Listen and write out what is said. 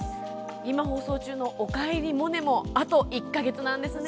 今、放送中の「おかえりモネ」もあと１か月なんですね。